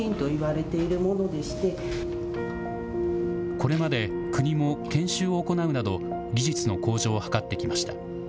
これまで、国も研修を行うなど、技術の向上を図ってきました。